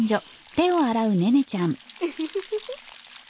ウフフフフ。